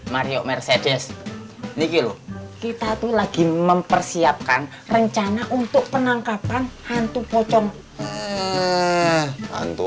mario mercedes dikilo kita tuh lagi mempersiapkan rencana untuk penangkapan hantu pocong hantu